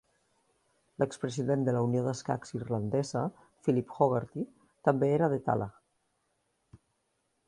L'expresident de la Unió d'escacs irlandesa, Philip Hogarty, també era de Tallaght.